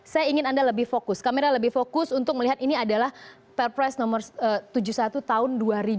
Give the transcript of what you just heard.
saya ingin anda lebih fokus kamera lebih fokus untuk melihat ini adalah perpres nomor tujuh puluh satu tahun dua ribu dua puluh